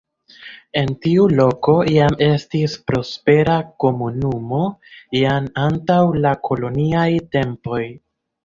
En tiu loko jam estis prospera komunumo jam antaŭ la koloniaj tempoj.